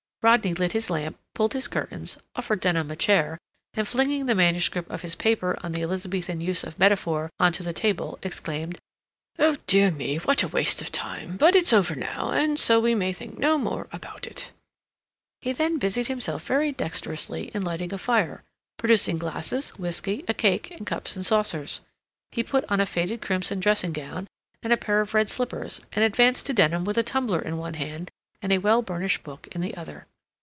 Rodney lit his lamp, pulled his curtains, offered Denham a chair, and, flinging the manuscript of his paper on the Elizabethan use of Metaphor on to the table, exclaimed: "Oh dear me, what a waste of time! But it's over now, and so we may think no more about it." He then busied himself very dexterously in lighting a fire, producing glasses, whisky, a cake, and cups and saucers. He put on a faded crimson dressing gown, and a pair of red slippers, and advanced to Denham with a tumbler in one hand and a well burnished book in the other.